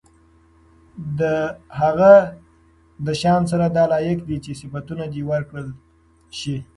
د هغه د شان سره دا لائق دي چې صفتونه دي ورله وکړل شي